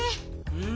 うん。